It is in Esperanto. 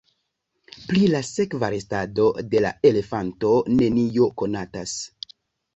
Pri la sekva restado de la elefanto nenio konatas.